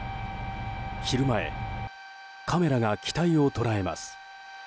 昼前、カメラが機体を捉えます。